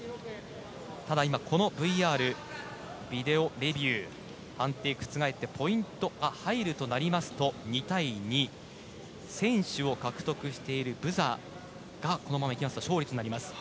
ただ今、このＶＲ・ビデオレビュー判定が覆ってポイント入るとなりますと２対２先取を獲得しているブザがこのまま行きますと勝利になります。